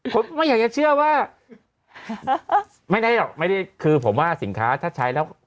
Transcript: ผมไม่อยากจะเชื่อว่าไม่ได้หรอกไม่ได้คือผมว่าสินค้าถ้าใช้แล้ว